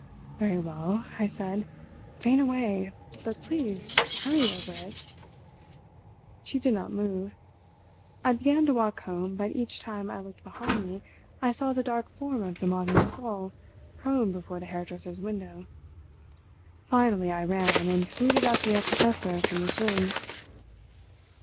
"Very well," I said, "faint away; but please hurry over it." She did not move. I began to walk home, but each time I looked behind me I saw the dark form of the modern soul prone before the hairdresser's window. Finally I ran, and rooted out the Herr Professor from his room.